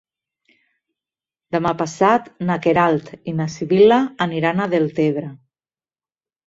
Demà passat na Queralt i na Sibil·la aniran a Deltebre.